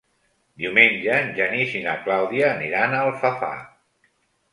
Diumenge en Genís i na Clàudia aniran a Alfafar.